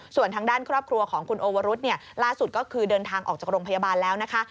ส่วนทางด้านครอบครัวของคุณโอวรุธล่าสุดก็คือเดินทางออกจากโรงพยาบาลแล้วนะคะ